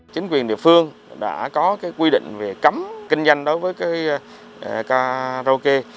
chính quyền địa phương đã có quy định về cấm kinh doanh đối với karaoke